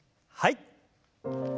はい。